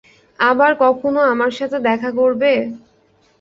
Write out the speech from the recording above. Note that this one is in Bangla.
আবার কখনো আমার সাথে দেখা করবে?